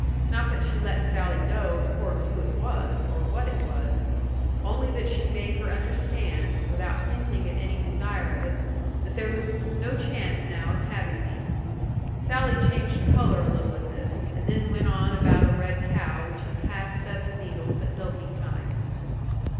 Not that she let Sally know, of course, who it was, or what it was; only that she made her understand, without hinting at any desire of it, that there was no chance now of having me. Sally changed colour a little at this, and then went on about a red cow which had passed seven needles at milking time.